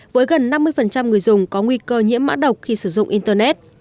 với gần năm mươi người dùng có nguy cơ nhiễm mã độc khi sử dụng internet